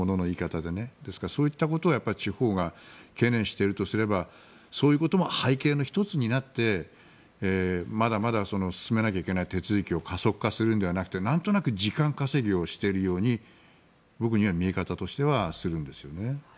ですのでそういったことを地方が懸念しているとすればそういうことも背景の１つになってまだまだ進めなきゃいけない手続きを加速化するのではなくてなんとなく時間稼ぎをしているように僕には見え方としてはするんですよね。